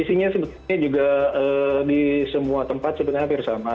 isinya sebetulnya juga di semua tempat sebenarnya hampir sama